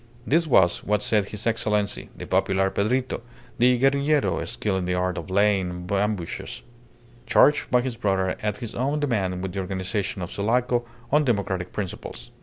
This was what said his Excellency, the popular Pedrito, the guerrillero skilled in the art of laying ambushes, charged by his brother at his own demand with the organization of Sulaco on democratic principles.